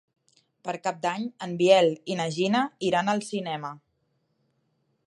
Per Cap d'Any en Biel i na Gina iran al cinema.